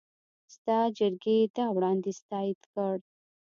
سنا جرګې دا وړاندیز تایید کړ.